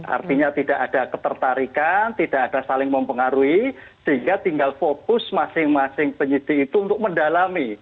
artinya tidak ada ketertarikan tidak ada saling mempengaruhi sehingga tinggal fokus masing masing penyidik itu untuk mendalami